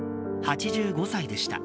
８５歳でした。